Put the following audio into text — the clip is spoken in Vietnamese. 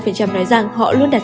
bảy mươi năm nói rằng họ luôn đạt